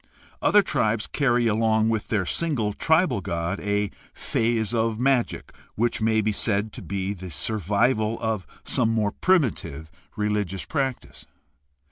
Other tribes carry along with their single tribal god a phase of magic which may be said to be the sur vival of some more primitive religious practice.